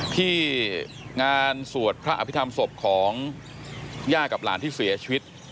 ที่งานสวดพระอภิษฐรรมศพของย่ากับหลานที่เสียชีวิต